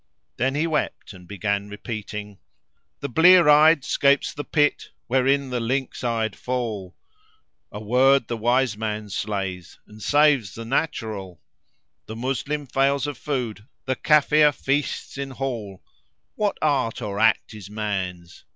Then he wept and began repeating:— The blear eyed 'scapes the pits * Wherein the lynx eyed fall: A word the wise man slays * And saves the natural: The Moslem fails of food * The Kafir feasts in hall: What art or act is man's?